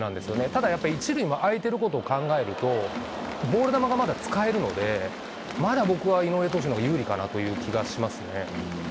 ただ、やっぱり１塁も空いていることを考えると、ボール球がまだ使えるので、まだ僕は井上投手のほうが有利かなという気がしますね。